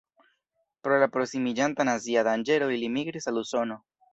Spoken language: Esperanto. Pro la prosimiĝanta nazia danĝero ili migris al Usono.